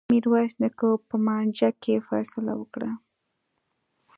میرويس نیکه په مانجه کي فيصله وکړه.